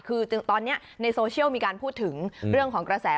คือตอนนี้ในโซเชียลมีการพูดถึงเรื่องของกระแส